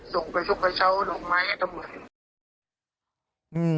ส่งไปชุดไปเชาะถูกไหม